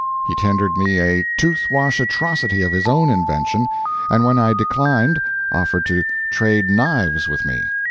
He tendered me a tooth wash atrocity of his own invention, and when I declined offered to trade knives with me.